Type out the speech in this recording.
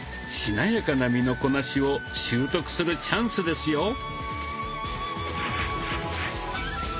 しなやかな身のこなしを習得するチャンスですよ。